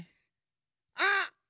あっ！